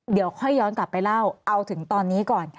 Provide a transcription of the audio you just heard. เดี๋ยวค่อยย้อนกลับไปเล่าเอาถึงตอนนี้ก่อน